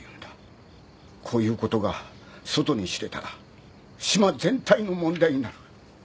こういうことが外に知れたら島全体の問題になる。